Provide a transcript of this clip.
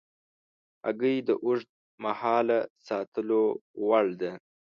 هګۍ د اوږد مهاله ساتلو وړ ده.